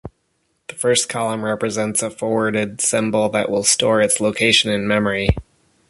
The first column represents a forwarded symbol that will store its location in memory.